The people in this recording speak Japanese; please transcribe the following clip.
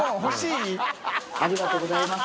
ありがとうございます。